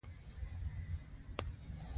په دې اساس موږ فکر کوو.